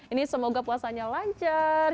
ini semoga puasanya lancar